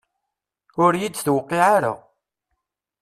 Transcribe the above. Ur yi-d-tuqiɛ ara.